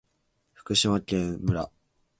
福島県檜枝岐村